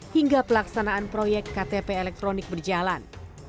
hingga pelaksanaan proyek ktp elektronik berjalan